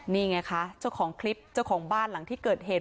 นี่ไงคะเจ้าของคลิปเจ้าของบ้านหลังที่เกิดเหตุ